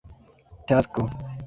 tasko